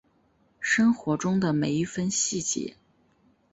生活中的每一分细节